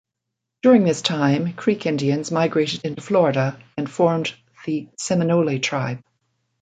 During this time, Creek Indians migrated into Florida and formed the Seminole tribe.